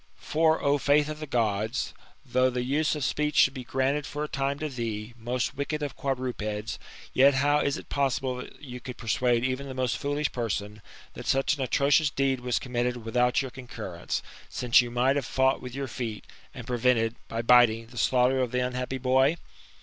For, O faith of the Gods ! though the use of speech should be granted for a time to thee, most wicked of quadrupeds, yet how is it possible you could persuade even the most foolish person, that such an atrocious deed was committed without your concurrence, since you might have fought with your feet, and prevented, by biting, the slaughter of the unhappy boy